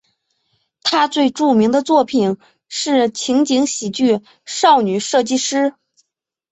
他最著名的作品是情景喜剧少女设计师。